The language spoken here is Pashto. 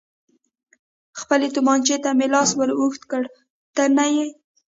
خپلې تومانچې ته مې لاس ور اوږد کړ، ته نه یې.